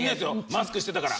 マスクしてたから。